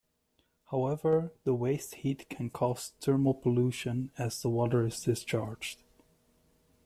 However, the waste heat can cause thermal pollution as the water is discharged.